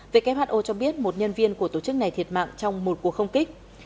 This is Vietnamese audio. who cho biết một nhân viên của tổ chức này thiệt mạng trong một cuộc không kích